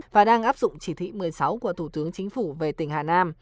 và đang áp dụng chỉ thị một mươi sáu của thủ tướng chính phủ về tỉnh hà nam